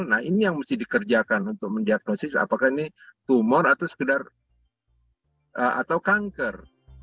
nah ini yang mesti dikerjakan untuk mendiagnosis apakah ini tumor atau sekedar atau kanker